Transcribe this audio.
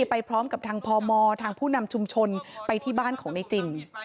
ไปพร้อมกับทางพมทางผู้นำชุมชนไปที่บ้านของในจิน